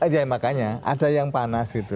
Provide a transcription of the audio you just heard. ya makanya ada yang panas gitu ya